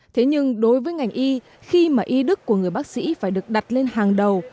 thế nhưng đối với ngành y khi mà y đức của người bác sĩ phải được đặt lên hàng đầu